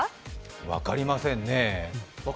分かりませんね。